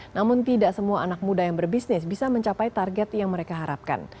namun tidak semua anak muda yang berbisnis bisa mencapai target yang mereka harapkan